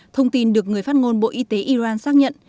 thông tin được người phát ngôn bộ y tế iran xác nhận